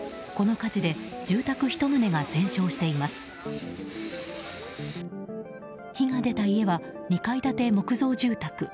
火が出た家は２階建て木造住宅。